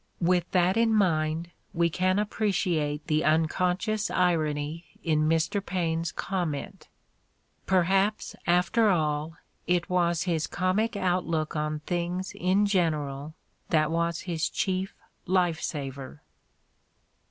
With that in mind we can appreciate the un conscious irony in Mr. Paine 's comment: "Perhaps, after all, it was his comic outlook on things in general that was his chief life saver."